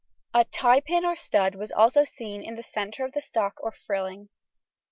A tie pin or stud was also seen in the centre of the stock or frilling.